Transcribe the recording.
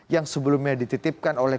yang sebelumnya dititipkan oleh